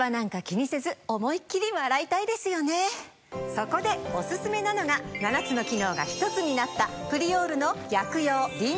そこでオススメなのが７つの機能が１つになった。